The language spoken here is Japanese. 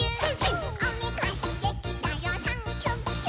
「おめかしできたよサンキュキュ！」